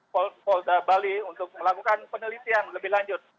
polda bali untuk melakukan penelitian lebih lanjut